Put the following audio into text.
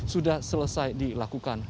sudah selesai dilakukan